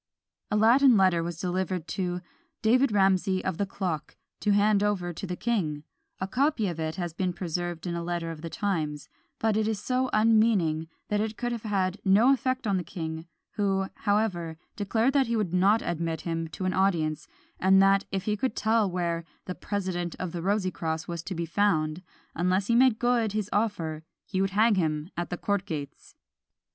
A Latin letter was delivered to "David Ramsey of the clock," to hand over to the king: a copy of it has been preserved in a letter of the times; but it is so unmeaning, that it could have had no effect on the king, who, however, declared that he would not admit him to an audience, and that if he could tell where "the President of the Rosycross" was to be found, unless he made good his offer, he would hang him at the court gates.